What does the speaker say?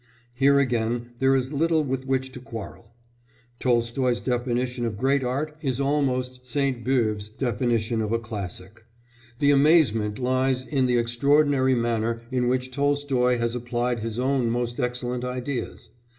Here again there is little with which to quarrel. Tolstoy's definition of great art is almost St. Beuve's definition of a classic. The amazement lies in the extraordinary manner in which Tolstoy has applied his own most excellent ideas.